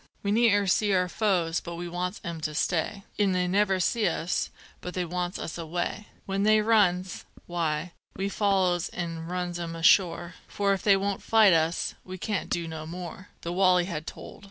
"We ne'er see our foes but we wants 'em to stay, An' they never see us but they wants us away; When they runs, why, we follows an' runs 'em ashore, For if they won't fight us, we can't do no more!" The "wolley" had told.